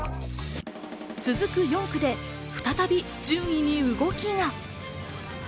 続く４区で再び順位に動きが。